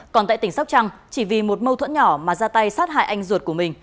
còn tại tỉnh sóc trăng chỉ vì một mâu thuẫn nhỏ mà ra tay sát hại anh ruột của mình